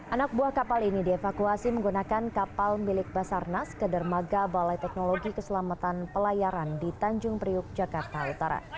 anak buah kapal ini dievakuasi menggunakan kapal milik basarnas ke dermaga balai teknologi keselamatan pelayaran di tanjung priuk jakarta utara